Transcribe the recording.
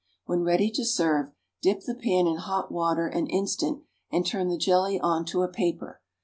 When ready to serve, dip the pan in hot water an instant, and turn the jelly on to a paper.